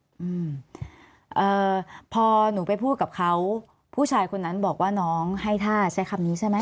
อืมเอ่อพอหนูไปพูดกับเขาผู้ชายคนนั้นบอกว่าน้องให้ท่าใช้คำนี้ใช่ไหม